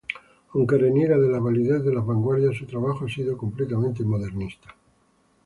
Aunque reniega de la validez de las vanguardias, su trabajo ha sido completamente modernista.